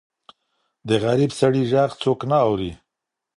د غریب سړي ږغ څوک نه اوري.